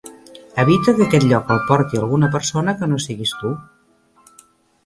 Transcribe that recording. Evita que aquest lloc el porti alguna persona que no siguis tu.